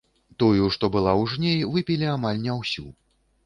Тую, што была ў жней, выпілі амаль не ўсю.